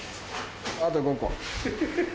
あと５個。